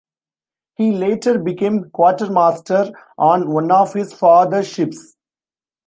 He later became quartermaster on one of his father's ships.